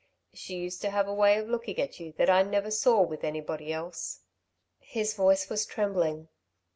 "She used to have a way of looking at you that I never saw with anybody else " His voice was trembling.